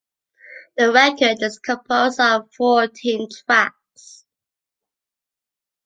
The record is composed of fourteen tracks.